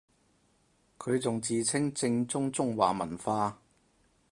佢仲自稱正宗中華文化